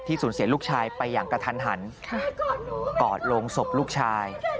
สูญเสียลูกชายไปอย่างกระทันหันกอดลงศพลูกชาย